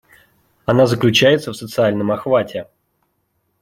Она заключается в социальном охвате.